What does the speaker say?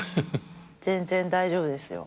全然大丈夫ですよ。